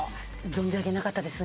存じ上げなかったです。